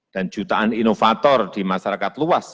dan jutaan inovator di masyarakat luas